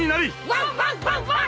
ワンワンワンワン！